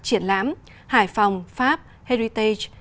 triển lãm hải phòng pháp heritage